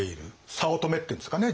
早乙女っていうんですかね